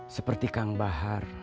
seperti kang bahar